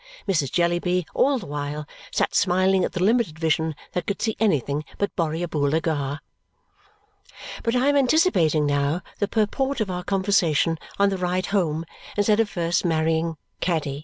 Mrs. Jellyby, all the while, sat smiling at the limited vision that could see anything but Borrioboola Gha. But I am anticipating now the purport of our conversation on the ride home instead of first marrying Caddy.